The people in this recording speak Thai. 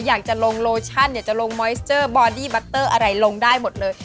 อยากจะลงโลชั่นอยากจะลงมอยสเจอร์บอดี้บัตเตอร์อะไรลงได้หมดเลย